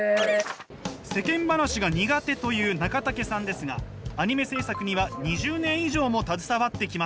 世間話が苦手という中武さんですがアニメ制作には２０年以上も携わってきました。